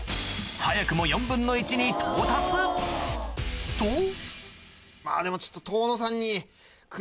早くもに到達とまぁでもちょっと遠野さんに。